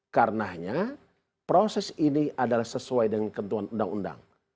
karenanya proses ini adalah sesuai dengan ketentuan undang undang